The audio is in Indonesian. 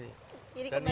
jadi kembali ke kampung ini